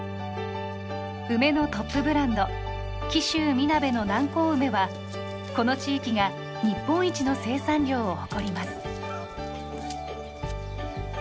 梅のトップブランド「紀州みなべの南高梅」はこの地域が日本一の生産量を誇ります。